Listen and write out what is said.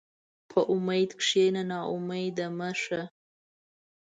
په امید کښېنه، ناامیده مه شه.